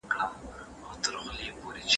سم نیت ډار نه خپروي.